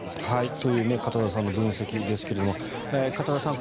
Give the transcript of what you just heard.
という片田さんの分析ですが片田さん